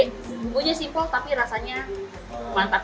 bumbunya simpel tapi rasanya mantap